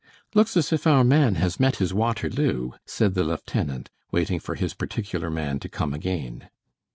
"Looks as if our man had met his Waterloo," said the lieutenant, waiting for his particular man to come again.